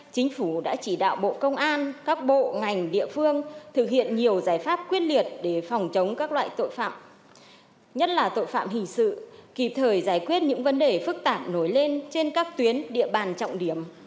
chính phủ đã chỉ đạo bộ công an các bộ ngành địa phương thực hiện nhiều giải pháp quyết liệt để phòng chống các loại tội phạm nhất là tội phạm hình sự kịp thời giải quyết những vấn đề phức tạp nổi lên trên các tuyến địa bàn trọng điểm